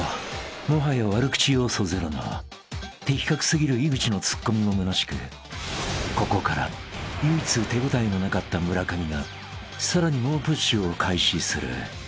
もはや悪口要素ゼロの的確過ぎる井口のツッコミもむなしくここから唯一手応えのなかった村上がさらに猛プッシュを開始する］